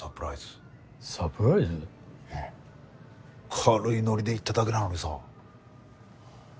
軽いノリで言っただけなのにさ。